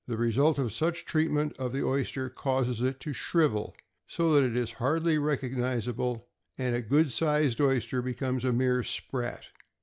The result of such treatment of the oyster causes it to shrivel so that it is hardly recognizable, and a good sized oyster becomes a mere sprat.